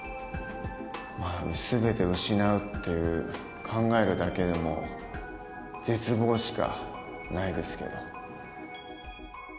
全てを失うって考えるだけでも絶望しかないですけど。